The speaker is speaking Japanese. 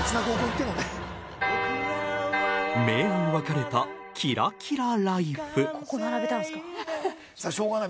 明暗分かれたキラキラ人生。